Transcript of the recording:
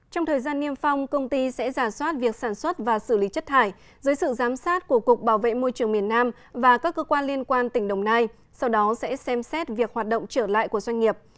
trong thời gian niêm phong công ty sẽ giả soát việc sản xuất và xử lý chất thải dưới sự giám sát của cục bảo vệ môi trường miền nam và các cơ quan liên quan tỉnh đồng nai sau đó sẽ xem xét việc hoạt động trở lại của doanh nghiệp